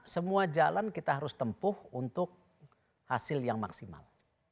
semua jalan kita harus tempuh untuk hasil yang maksimal